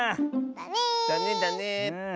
だねだね！